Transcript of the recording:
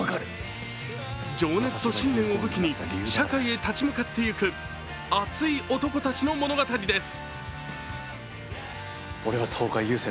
情熱と信念を武器に社会に立ち向かっていく熱い男たちの物語です。